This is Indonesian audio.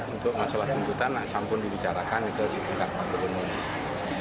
untuk masalah tuntutan asal pun dibicarakan ke lingkaran perumunan